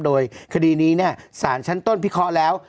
โดยคดีนี้สารชั้นต้นพิเคราะห์แล้ว